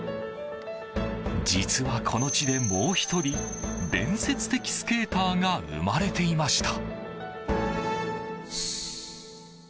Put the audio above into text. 実はこの地でもう１人伝説的スケーターが生まれていました。